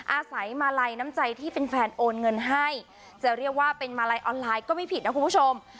อาศัยมาลัยน้ำใจที่เป็นแฟนโอนเงินให้จะเรียกว่าเป็นมาลัยออนไลน์ก็ไม่ผิดนะคุณผู้ชม